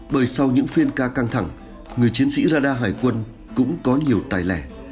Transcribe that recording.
bởi sau những phiên ca căng thẳng người chiến sĩ radar hải quân cũng có nhiều tài lẻ